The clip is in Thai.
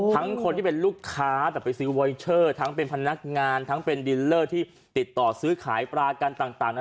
คนที่เป็นลูกค้าแต่ไปซื้อวอยเชอร์ทั้งเป็นพนักงานทั้งเป็นดินเลอร์ที่ติดต่อซื้อขายปลากันต่างนะ